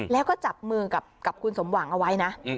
แล้วก็จับมือกับคุณสมหวังเอาไว้นะ